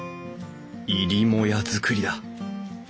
入母屋造りだ。